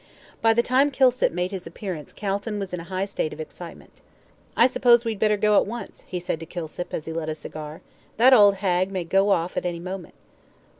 By the time Kilsip made his appearance Calton was in a high state of excitement. "I suppose we'd better go at once," he said to Kilsip, as he lit a cigar. "That old hag may go off at any moment."